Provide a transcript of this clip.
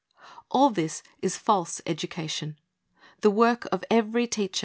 All this is false education. The work of every teacher ' 2 Tim.